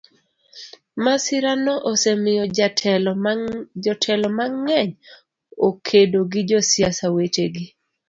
Masirano osemiyo jotelo mang'eny okedo gi josiasa wetegi.